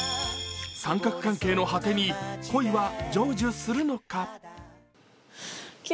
三角関係の果てに恋は成就するのか。